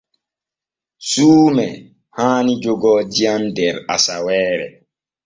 Suume haani jooga diyam der asaweere.